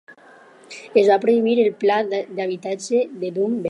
Es va prohibir el pla d'habitatge de Dumb-bell.